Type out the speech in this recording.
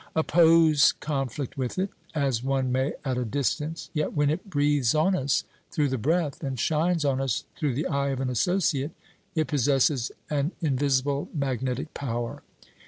Oppose conflict with it, as one may at a distance, yet when it breathes on us through the breath, and shines on us through the eye of an associate, it possesses an invisible magnetic power.